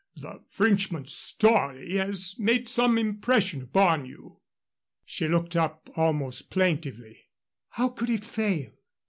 The Frenchman's story has made some impression upon you." She looked up almost plaintively. "How could it fail?"